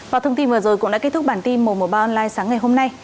và thông tin vừa rồi cũng đã kết thúc bản tin mùa một ba online sáng ngày hôm nay